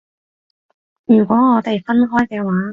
如果我哋分開嘅話